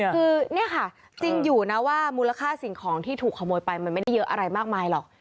คือเนี่ยค่ะจริงอยู่นะว่ามูลค่าสิ่งของที่ถูกขโมยไปมันไม่ได้เยอะอะไรมากมายหรอก